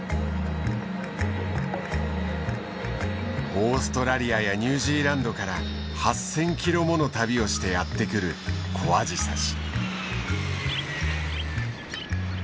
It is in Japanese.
オーストラリアやニュージーランドから８，０００キロもの旅をしてやって来るコアジサシ。